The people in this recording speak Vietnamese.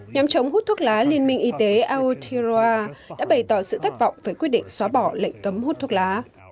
nhóm chống hút thuốc lá liên minh y tế aotiroa đã bày tỏ sự thất vọng về quyết định xóa bỏ lệnh cấm hút thuốc lá